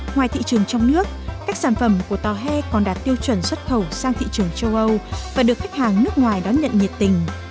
ngoài thị trường trong nước các sản phẩm của tàu he còn đạt tiêu chuẩn xuất khẩu sang thị trường châu âu và được khách hàng nước ngoài đón nhận nhiệt tình